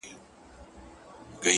څومره دي ښايست ورباندي ټك واهه!